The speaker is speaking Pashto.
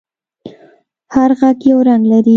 هر غږ یو رنگ لري.